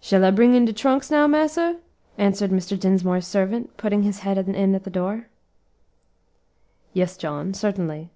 "Shall I bring in de trunks now, massa?" asked Mr. Dinsmore's servant, putting his head in at the door. "Yes, John, certainly."